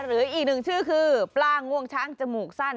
หรืออีกหนึ่งชื่อคือปลาง่วงช้างจมูกสั้น